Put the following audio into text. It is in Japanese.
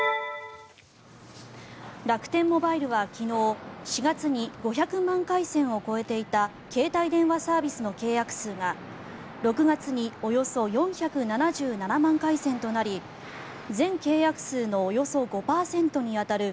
楽天モバイルは昨日４月に５００万回線を超えていた携帯電話サービスの契約数が６月におよそ４７７万回線となり全契約数のおよそ５％に当たる